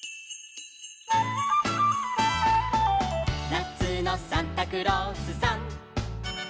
「なつのサンタクロースさん」